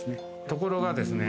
ところがですね